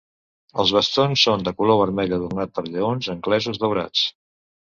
Els bastons són de color vermell, adornat per lleons anglesos daurats.